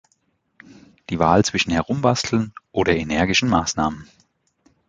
Die Wahl zwischen Herumbasteln oder energischen Maßnahmen.